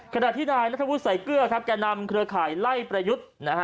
ขณะที่นายนัทวุฒิใส่เกลือครับแก่นำเครือข่ายไล่ประยุทธ์นะฮะ